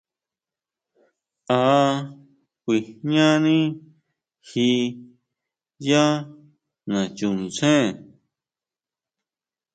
¿A kuijñani ji yá nachuntsén?